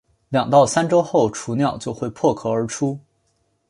两到三周后雏鸟就会破壳而出。